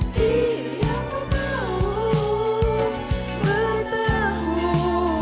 seperti yang kau mau